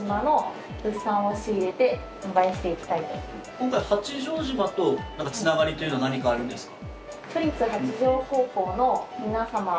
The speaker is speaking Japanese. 今回八丈島と繋がりというのは何かあるんですか？